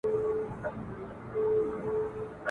زوړ زمری وو نور له ښکار څخه لوېدلی !.